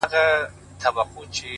ساده ژوند د ذهن سکون دی.!